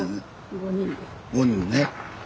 ５人ね。